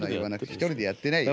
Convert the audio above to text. １人でやってないよ。